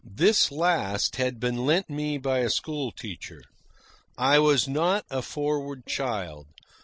This last had been lent me by a school teacher. I was not a forward child.